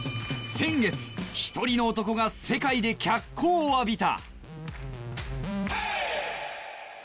先月１人の男が世界で脚光を浴びた